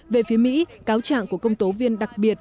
về phía mỹ cáo trạng của công tố viên đặc biệt